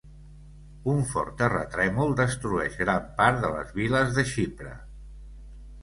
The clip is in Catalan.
Un fort terratrèmol destrueix gran part de les viles de Xipre.